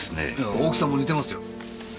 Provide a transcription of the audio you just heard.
大きさも似てますよ。